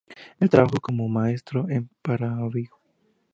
Él trabajó como maestro en Paramaribo.